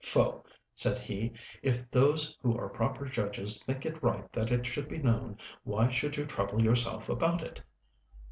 "Pho," said he: "if those who are proper judges think it right that it should be known, why should you trouble yourself about it?